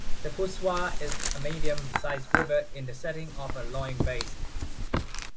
The Puiseaux is a medium sized river in the setting of the Loing basin.